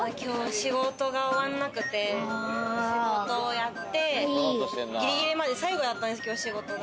仕事が終わらなくて、仕事をやってギリギリまで、最後だったんです仕事が。